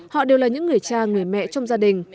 họ đều là những người cha người mẹ trong gia đình